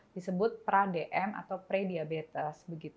disebut pradm atau pre diabetes